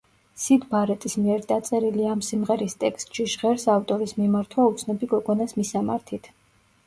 სიდ ბარეტის მიერ დაწერილი ამ სიმღერის ტექსტში ჟღერს ავტორის მიმართვა უცნობი გოგონას მისამართით.